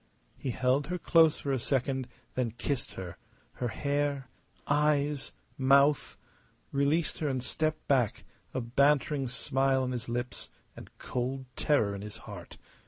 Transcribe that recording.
He held her close for a second, then kissed her her hair, eyes, mouth released her and stepped back, a bantering smile on his lips and cold terror in his heart.